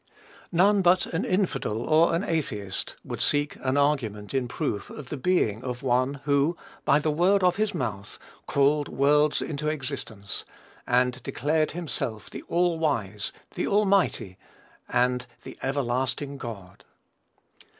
None but an infidel or an atheist would seek an argument in proof of the Being of One who, by the word of his mouth, called worlds into existence, and declared himself the All wise, the Almighty, and the everlasting God.